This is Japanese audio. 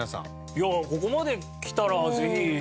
いやここまで来たらぜひ。